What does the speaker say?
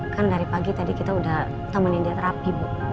kan dari pagi tadi kita udah temenin dia terapi bu